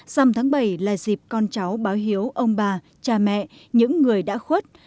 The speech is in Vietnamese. dằm tháng bảy là dịp con cháu báo hiếu ông bà cha mẹ những người đã khuất